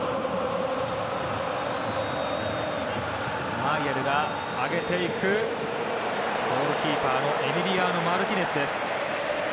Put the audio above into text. マイェルが上げていくがゴールキーパーのエミリアーノ・マルティネス。